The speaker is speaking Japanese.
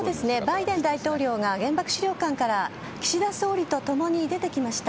バイデン大統領が原爆資料館から岸田総理と共に出てきました。